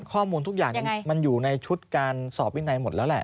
ข้อมูลทุกอย่างมันอยู่ในชุดการสอบวินัยหมดแล้วแหละ